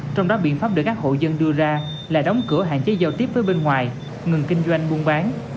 trong đó biện pháp được các hộ dân đưa ra là đóng cửa hạn chế giao tiếp với bên ngoài ngừng kinh doanh buôn bán